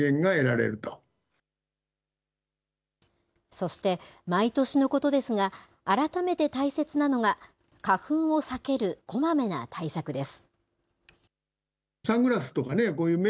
そして毎年のことですが、改めて大切なのが、花粉を避けるこまめな対策です。